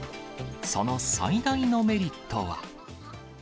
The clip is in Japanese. その最大のメリットは。